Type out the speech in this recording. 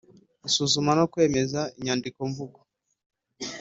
Gusuzuma no kwemeza inyandikomvugo